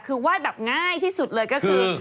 คือไหว้แบบง่ายที่สุดเลยก็คือ